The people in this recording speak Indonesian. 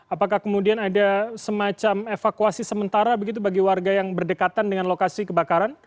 apakah kemudian ada semacam evakuasi sementara begitu bagi warga yang berdekatan dengan lokasi kebakaran